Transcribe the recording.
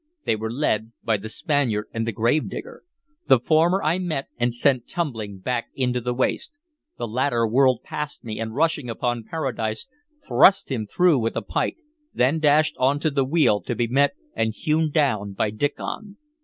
They were led by the Spaniard and the gravedigger. The former I met and sent tumbling back into the waist; the latter whirled past me, and rushing upon Paradise thrust him through with a pike, then dashed on to the wheel, to be met and hewn down by Diccon.